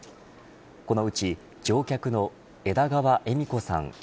このうち乗客の枝川恵美子さん